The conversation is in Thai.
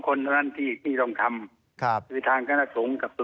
ข้อสิ่งต่างว่ามีผ้าสมกายมีกรณีผ้าโดนกลับศึก